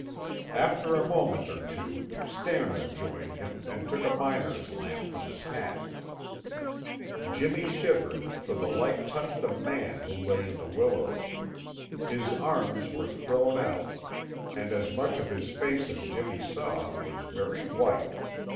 After a moment or two Stannard joined him and took a miner's lamp from his hat. Jimmy shivered, for the light touched a man who lay in the willows. His arms were thrown out, and as much of his face as Jimmy saw was very white.